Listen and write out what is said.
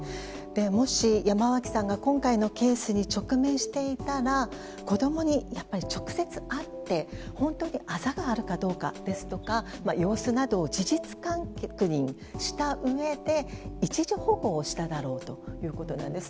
もし、山脇さんが今回のケースに直面していたら子供にやっぱり直接会って本当にあざがあるかどうかですとか様子などを事実確認したうえで一時保護をしただろうということなんです。